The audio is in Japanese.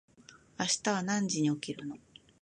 明日は何時に起きるの？